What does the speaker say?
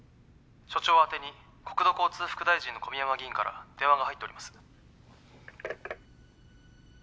署長あてに国土交通副大臣の小宮山議員から電話が入っております。